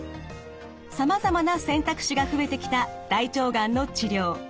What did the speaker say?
さまざまな選択肢が増えてきた大腸がんの治療。